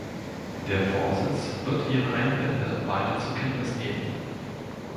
Der Vorsitz wird ihre Einwände weiter zur Kenntnis nehmen.